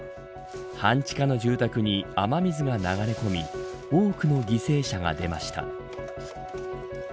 半地下の住宅に雨水が流れ込み多くの犠牲者が出ました。